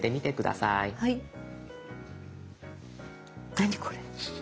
何これ？